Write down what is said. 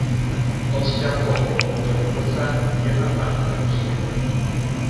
Austriako Ondorengotza Gerran parte hartu zuen.